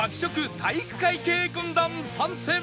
体育会系軍団参戦